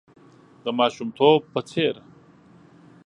د ماشومتوب په څېر .